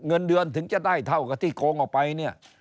เงินเดือนถึงจะได้เท่ากับที่โกงออกไปเนี่ย